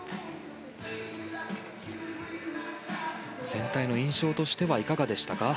全体の印象としてはいかがでしたか。